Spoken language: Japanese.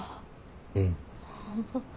うん。